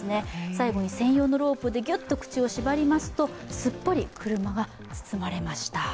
最後に専用のロープでギュッと口を絞りますとすっぽり車が包まれました。